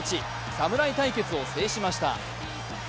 侍対決を制しました。